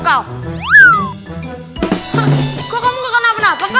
kok kamu gak kenapa napa